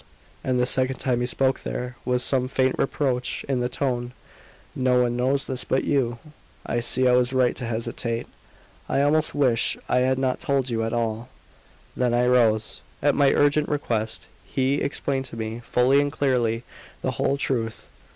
and the second time he spoke there was some faint reproach in the tone; "no one knows this but you. I see I was right to hesitate; I almost wish I had not told you at all." Then I rose. At my urgent request, he explained to me fully and clearly the whole truth.